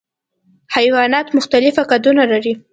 حیوانات مختلف قدونه لري.